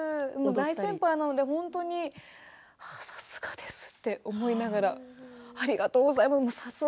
大先輩なので本当にさすがですと思いながらありがとうございます